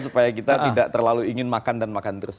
supaya kita tidak terlalu ingin makan dan makan terus